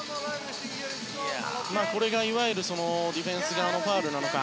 これがいわゆるディフェンス側のファウルなのか。